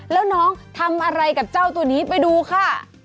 แล้วน้องทำอะไรกับเจ้าตัวนี้ไปดูค่ะ